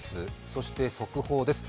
そして速報です。